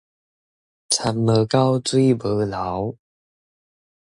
田無溝，水無流